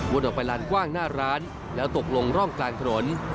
ออกไปลานกว้างหน้าร้านแล้วตกลงร่องกลางถนน